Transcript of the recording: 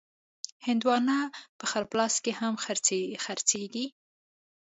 هندوانه په خړ پلاس کې هم خرڅېږي.